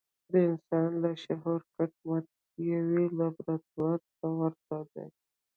د انسان لاشعور کټ مټ يوې لابراتوار ته ورته دی.